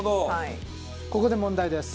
ここで問題です。